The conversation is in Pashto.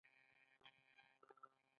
پزه تر ټولو حساس بویونکې ده.